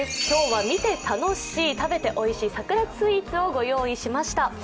今日は見て楽しい、食べておいしい桜スイーツを御用意しました。